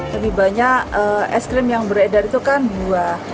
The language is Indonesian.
tapi banyak aiskrim yang beredar itu kan buah